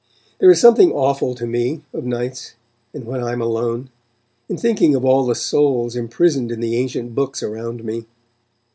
There is something awful to me, of nights, and when I am alone, in thinking of all the souls imprisoned in the ancient books around me.